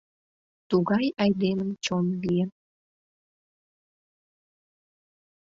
Тугай айдемын чон лийын.